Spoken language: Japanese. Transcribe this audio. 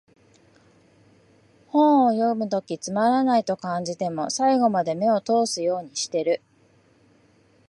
本を読むときつまらないと感じても、最後まで目を通すようにしてる